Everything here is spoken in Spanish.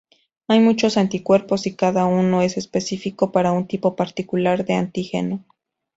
Hay muchos anticuerpos y cada uno es específico para un tipo particular de antígeno.